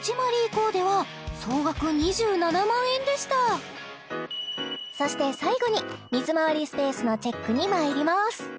コーデは総額２７万円でしたそして最後に水回りスペースのチェックにまいります